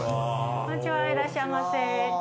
いらっしゃいませ。